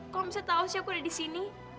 harusnya aku ada di sini